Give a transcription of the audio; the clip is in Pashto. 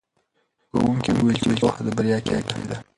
ښوونکي وویل چې پوهه د بریا کیلي ده.